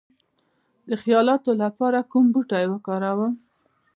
د خیالاتو لپاره کوم بوټي وکاروم؟